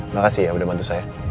makasih ya udah bantu saya